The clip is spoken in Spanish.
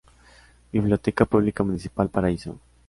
Biblioteca Pública Municipal Paraíso.